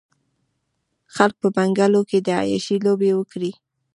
خلکو په بنګلو کې د عياشۍ لوبې وکړې.